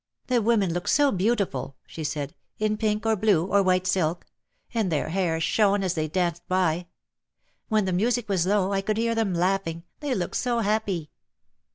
"The women looked so beautiful," she said, "in pink or blue, or white silk ; and their hair shone as they danced by. When the music was low I could hear them laugh ing, they looked so happy